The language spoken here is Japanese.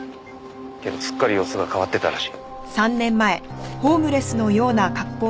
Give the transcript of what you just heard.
けどすっかり様子が変わってたらしい。